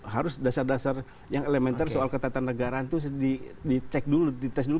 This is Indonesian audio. harus dasar dasar yang elemen tersebut soal ketatanegaraan itu dicek dulu